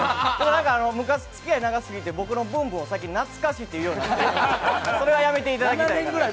昔、付き合い長すぎて僕のブンブンをさっき最近懐かしいと言うようになってきて、それはやめていただきたい。